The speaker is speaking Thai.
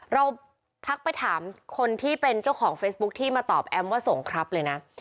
ทักไปถามคนที่เป็นเจ้าของเฟซบุ๊คที่มาตอบแอมว่าส่งครับเลยนะ